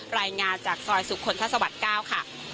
รายงานจากซอยสุขลทศวรรษก้าวค่ะ